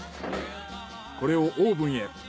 これをオーブンへ。